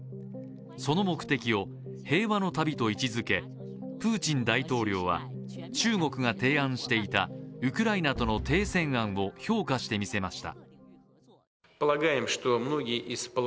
その目的を、平和の旅と位置づけプーチン大統領は中国が提案していたウクライナとの停戦案を評価してみせました。